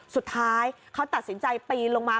สุดท้ายเขาตัดสินใจปีนลงมา